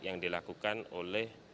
yang dilakukan oleh